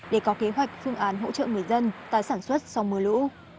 để có kế hoạch phương án hỗ trợ người dân tái sản xuất sau mưa lũ